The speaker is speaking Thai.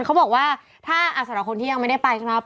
เขาบอกว่าถ้าสำหรับคนที่ยังไม่ได้ไปครับ